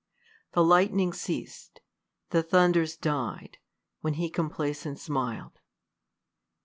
The lightnings ceas'd ; the thunders died, when he Complacent smil'd.